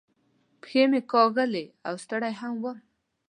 پښې مې کاږولې او ستړی هم ووم.